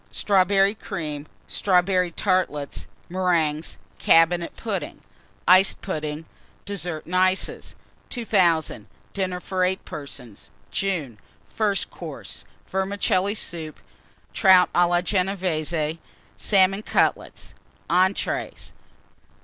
Strawberry Cream. Strawberry Tartlets, Meringues. Cabinet Pudding. Iced Pudding. DESSERT AND ICES. 2000. DINNER FOR 8 PERSONS (June). FIRST COURSE. Vermicelli Soup. Trout à la Genévése Salmon Cutlets. ENTREES.